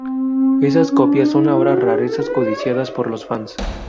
Esas copias son ahora rarezas codiciadas por los fans.